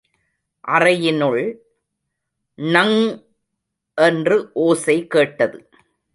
அறையினுள், ணங்... என்று ஓசை கேட்டது.